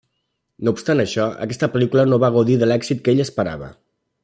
No obstant això aquesta pel·lícula no va gaudir de l'èxit que ell esperava.